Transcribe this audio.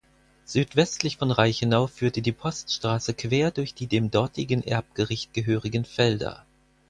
Südwestlich von Reichenau führte die Poststraße quer durch die dem dortigen Erbgericht gehörigen Felder.